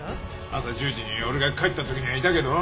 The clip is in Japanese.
朝１０時に俺が帰った時にはいたけど？